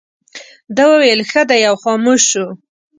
ده وویل ښه دی او خاموش شو.